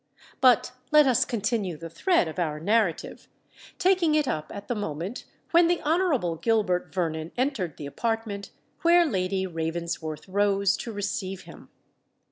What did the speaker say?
But let us continue the thread of our narrative, taking it up at the moment when the Honourable Gilbert Vernon entered the apartment where Lady Ravensworth rose to receive him.